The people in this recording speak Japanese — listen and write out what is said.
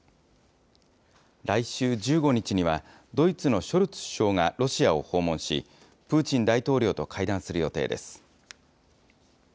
来週１５日には、ドイツのショルツ首相がロシアを訪問し、プーチン大統領と会談する予定です。